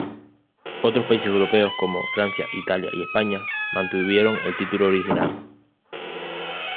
Otros países europeos, como Francia, Italia y España, mantuvieron el título original.